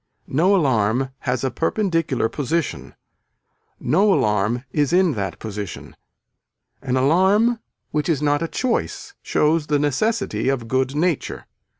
No alarm has a perpendicular position. No alarm is in that position. An alarm which is not a choice shows the necessity of good nature.